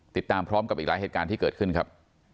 ติดตามพร้อมกับอีกหลายเหตุการณ์ที่เกิดขึ้นครับ